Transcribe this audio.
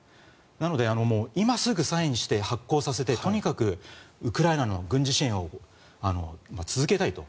なので、今すぐサインして発効させてとにかくウクライナの軍事支援を続けたいと。